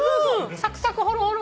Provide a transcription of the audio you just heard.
サクサクホロホロ。